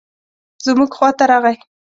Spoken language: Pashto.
زموږ خواته راغی.